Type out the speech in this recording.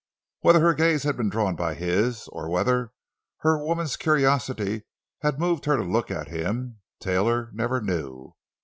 Whether her gaze had been drawn by his, or whether her woman's curiosity had moved her to look at him, Taylor never knew.